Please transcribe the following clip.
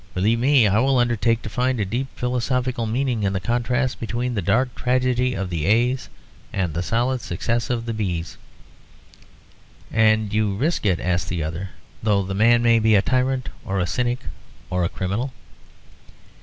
Believe me, I will undertake to find a deep philosophical meaning in the contrast between the dark tragedy of the A's, and the solid success of the B's." "And you risk it?" asked the other. "Though the man may be a tyrant or a cynic or a criminal."